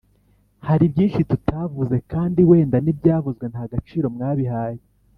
hari byinshi tutavuze. kandi wenda n'ibyavuzwe ntagaciro mwabihaye